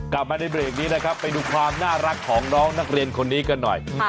กลับมาในเบรกนี้นะครับไปดูความน่ารักของน้องนักเรียนคนนี้กันหน่อย